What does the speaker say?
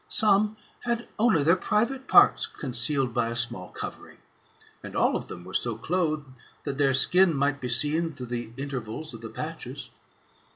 Some had only their private parts concealed by a small covering; and all of them were so clothed, that their skin might be seen through the intervals of the patches.